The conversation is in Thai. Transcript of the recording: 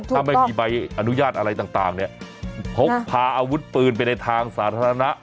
ถ้าไม่มีใบอนุญาตอะไรต่างเนี่ยพกพาอาวุธปืนไปในทางสาธารณะ